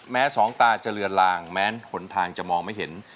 สองตาจะเลือนลางแม้หนทางจะมองไม่เห็น